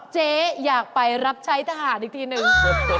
เจ๊อยากไปรับใช้ทหารอีกทีหนึ่ง